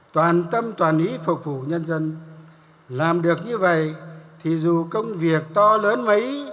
toàn tâm toàn ý phục vụ nhân dân làm được như vậy thì dù công việc to lớn mấy